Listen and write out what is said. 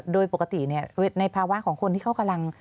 โดยปกติในภาวะของคนที่เขากำลัง